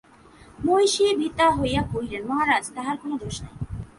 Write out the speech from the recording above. মহিষী ভীতা হইয়া কহিলেন, মহারাজ, তাহার কোনো দোষ নাই।